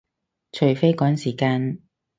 除非趕時間